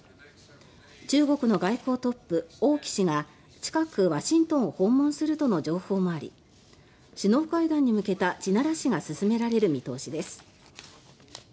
中国の外交トップ、王毅氏が近く、ワシントンを訪問するとの情報もあり首脳会談に向けた地ならしが進められる見通しです。